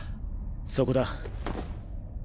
そこだ。